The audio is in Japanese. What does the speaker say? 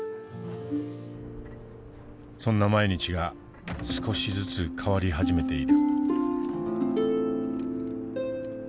そんな毎日が少しずつ変わり始めている。